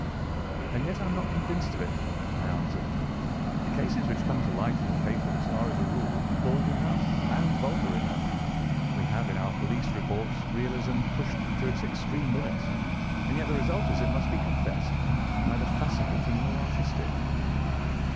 "And yet I am not convinced of it," I answered. "The cases which come to light in the papers are, as a rule, bald enough, and vulgar enough. We have in our police reports realism pushed to its extreme limits, and yet the result is, it must be confessed, neither fascinating nor artistic."